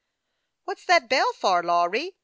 " What's that bell for, Lawry ?